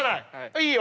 いいよ。